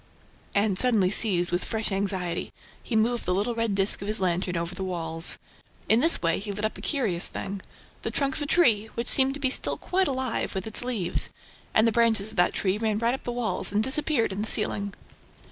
And, suddenly seized with fresh anxiety, he moved the little red disk of his lantern over the walls. In this way, he lit up a curious thing: the trunk of a tree, which seemed still quite alive, with its leaves; and the branches of that tree ran right up the walls and disappeared in the ceiling.